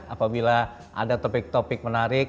apabila ada topik topik menarik